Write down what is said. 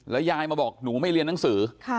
ยายมาบอกหนูไม่เรียนหนังสือ